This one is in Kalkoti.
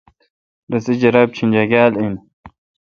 رسے جراب چینجاگال این۔